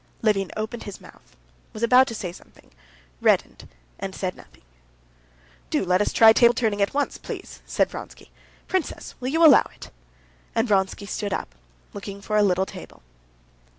Levin opened his mouth, was about to say something, reddened, and said nothing. "Do let us try table turning at once, please," said Vronsky. "Princess, will you allow it?" And Vronsky stood up, looking for a little table.